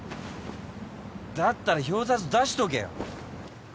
だったら表札出しとけよ。